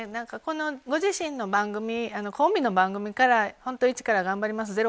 ご自身の番組コンビの番組から本当に一から頑張ります